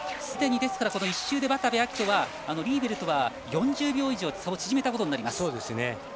すでに１周で渡部暁斗はリーベルとは４０秒以上差を縮めたことになります。